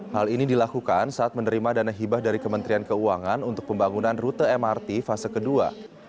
hal ini dilakukan saat menerima dana hibah dari kementerian keuangan untuk pembangunan rute mrt fase kedua